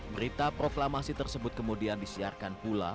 berita proklamasi tersebut kemudian disiarkan pula